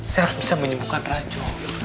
saya harus bisa menjemputkan rajo